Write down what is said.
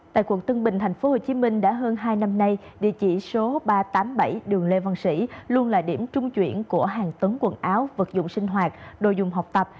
tại quận tân bình thành phố hồ chí minh đã hơn hai năm nay địa chỉ số ba trăm tám mươi bảy đường lê văn sĩ luôn là điểm trung chuyển của hàng tấn quần áo vật dụng sinh hoạt đồ dùng học tập